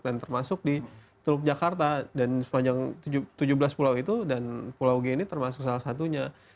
dan termasuk di teluk jakarta dan sepanjang tujuh belas pulau itu dan pulau g ini termasuk salah satunya